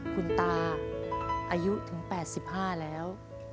คุณตาอายุถึง๘๕แล้ว